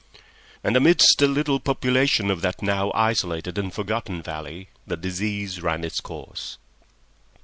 And amidst the little population of that now isolated and forgotten valley the disease ran its course.